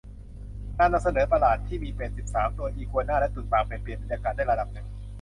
งานนำเสนอประหลาดที่มีเป็ดสิบสามตัว อีกัวน่า และตุ่นปากเป็ด เปลี่ยนบรรยากาศได้ระดับหนึ่ง